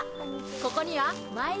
ここには。